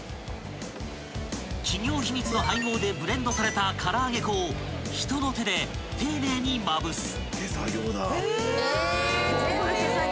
［企業秘密の配合でブレンドされたから揚げ粉を人の手で丁寧にまぶす］